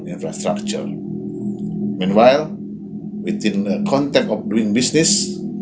sementara itu dalam kontak bisnis